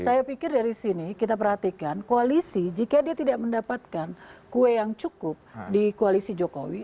saya pikir dari sini kita perhatikan koalisi jika dia tidak mendapatkan kue yang cukup di koalisi jokowi